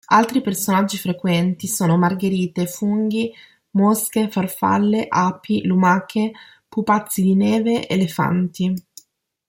Altri personaggi frequenti sono margherite, funghi, mosche, farfalle, api, lumache, pupazzi di neve, elefanti.